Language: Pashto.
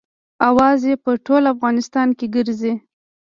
اوازه یې په ټول افغانستان کې ګرزي.